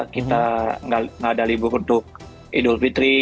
kita nggak ada libur untuk idul fitri